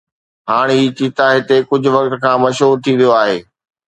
هاڻ هي چيتا هتي ڪجهه وقت کان مشهور ٿي ويو آهي